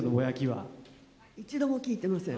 一度も聞いてません。